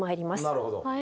なるほど。